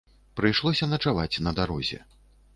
Прыйшлося начаваць на дарозе.